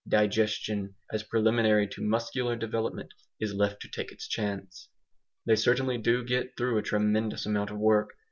Digestion, as preliminary to muscular development, is left to take its chance. They certainly do get through a tremendous amount of work.